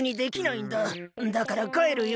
だからかえるよ。